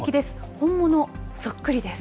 本物そっくりです。